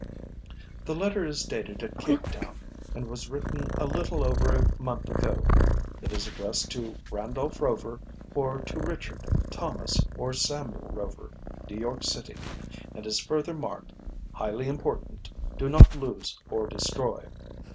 "The letter is dated at Cape Town, and was written a little over a month ago. It is addressed to 'Randolph Rover, or to Richard, Thomas, or Samuel Rover, New York City,' and is further marked 'Highly Important Do Not Lose or Destroy.'"